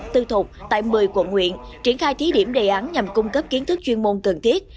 tư thuộc tại một mươi quận nguyện triển khai thí điểm đề án nhằm cung cấp kiến thức chuyên môn cần thiết